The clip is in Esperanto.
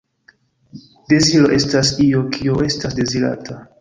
Deziro estas io, kio estas dezirata.